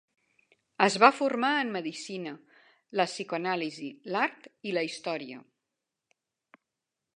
Es va formar en medicina, la psicoanàlisi, l'art i la història.